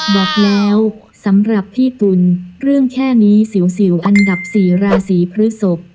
บอกแล้วสำหรับพี่ตุ๋นเรื่องแค่นี้สิวอันดับ๔ราศีพฤศพ